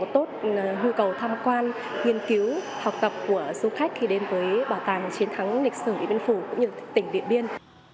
tốt nhu cầu tham quan nghiên cứu học tập của du khách khi đến với bảo tàng chiến thắng lịch sử điện biên phủ cũng như tỉnh điện biên